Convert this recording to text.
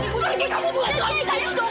pergi kamu buat suami saya